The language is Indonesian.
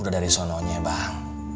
udah dari sononya bang